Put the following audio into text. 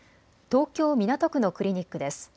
東京港区のクリニックです。